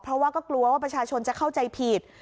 เพราะว่าก็กลัวว่าประชาชนจะเข้าใจผิด